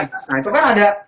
nah itu kan ada